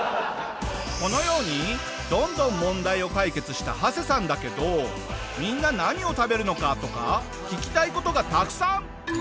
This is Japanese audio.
このようにどんどん問題を解決したハセさんだけどみんな何を食べるのか？とか聞きたい事がたくさん！